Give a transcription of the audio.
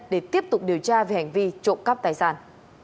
để tiếp tục điều tra về hành vi trộm cắp tài sản